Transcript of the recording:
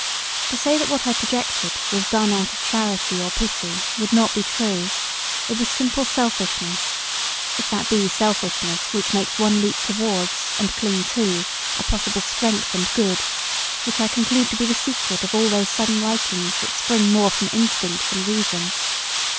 To say that what I projected was done out of charity or pity would not be true; it was simple selfishness, if that be selfishness which makes one leap towards, and cling to, a possible strength and good, which I conclude to be the secret of all those sudden likings that spring more from instinct than reason.